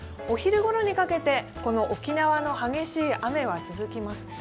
お昼ごろにかけて、この沖縄の激しい雨は続きます。